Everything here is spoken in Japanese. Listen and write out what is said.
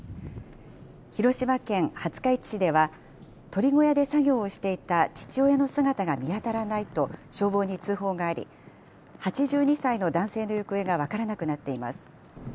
広島県廿日市市では鳥小屋で作業をしていた父親の姿が見当たらないと消防に通報があり８２歳の男性の行方が分からなくなっています。